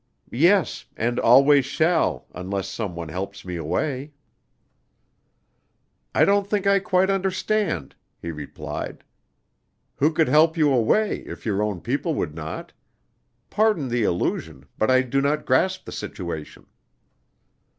"Yes, and always shall, unless some one helps me away." "I don't think I quite understand," he replied, "who could help you away, if your own people would not. Pardon the allusion, but I do not grasp the situation."